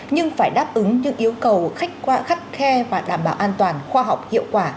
nhưng phải đáp ứng những yêu cầu khách qua khắt khe và đảm bảo an toàn khoa học hiệu quả